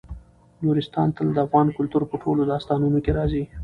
نورستان تل د افغان کلتور په ټولو داستانونو کې راځي.